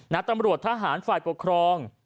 นักตำรวจทหารฝ่ายกรกรอง